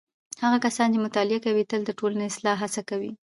هغه کسان چې مطالعه کوي تل د ټولنې د اصلاح هڅه کوي.